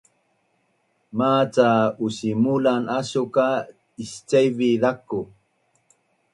maca usimulan asu ka icaivi zaku